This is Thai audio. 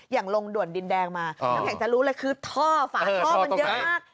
อย่างลงด่วนดินแดงมาอยากจะรู้เลยคือท่อฝาท่อมันเยอะมาก